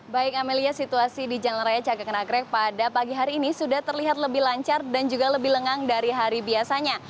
baik amelia situasi di jalan raya cagak nagrek pada pagi hari ini sudah terlihat lebih lancar dan juga lebih lengang dari hari biasanya